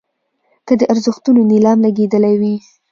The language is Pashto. که د ارزښتونو نیلام لګېدلی وي.